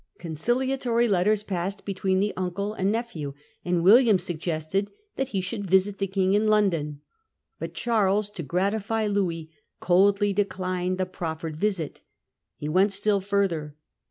Conciliatory letters passed between the uncle and nephew, and William sug gested that he should visit the King in London. But Charles, to gratify Louis, coldly declined the proffered visit. He went still further.